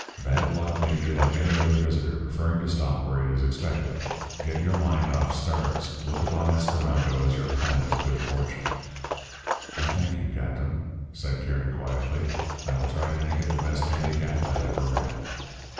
Bad luck may be like any other visitor preferring to stop where it is expected. Get your mind off stars. Look upon Esperando as your planet of good fortune.' "'I thank you, Captain,' said Kearny quietly. 'I will try to make it the best handicap I ever ran.'